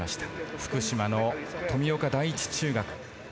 福島の富岡第一中学。